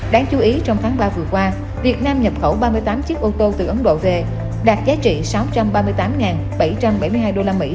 đáng chú ý trong tháng ba vừa qua việt nam nhập khẩu ba mươi tám chiếc ô tô từ ấn độ về đạt giá trị sáu trăm ba mươi tám bảy trăm bảy mươi hai usd